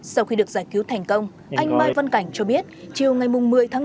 sau khi được giải cứu thành công anh mai văn cảnh cho biết chiều ngày một mươi tháng năm